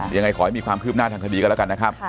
ยังไงขอให้มีความคืบหน้าทางคดีกันแล้วกันนะครับ